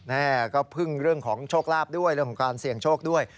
แม่ก็พึ่งเรื่องของโชคลาภด้วยเรื่องของการเสี่ยงโชคด้วย